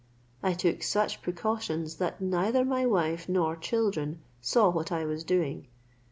I took such precautions that neither my wife nor children saw what I was doing.